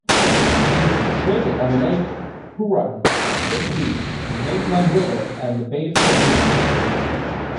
It is situated on Lake Huron between the Maitland River and the Bayfield River.